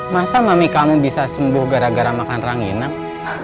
masa mami kamu bisa sembuh gara gara makan ranginep